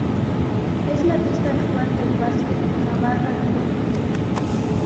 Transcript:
Es la pista actual del Basket Navarra Club.